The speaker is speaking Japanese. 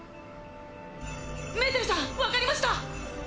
メーテルさんわかりました！